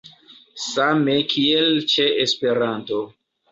Same kiel ĉe Esperanto.